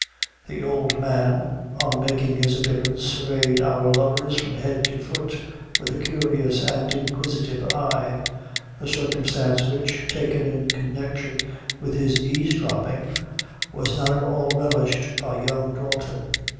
The old man, on making his appearance, surveyed our lovers from head to foot with a curious and inquisitive eye a circumstance which, taken in connection with his eaves dropping, was not at all relished by young Dalton.